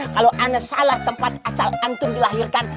kalau ana salah tempat asal antum dilahirkan